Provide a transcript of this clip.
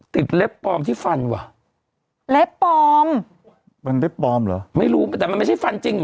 ติดเล็บปลอมที่ฟันวะเล็บปลอมเล็บปลอมโหไม่รู้แต่ไม่ใช่ฟันจริง